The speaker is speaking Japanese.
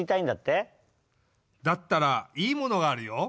だったらいいものがあるよ。